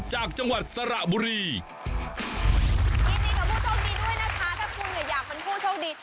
จากจังหวัดสระบุรียินดีกับผู้โชคดีด้วยนะคะถ้าคุณเนี่ยอยากเป็นผู้โชคดี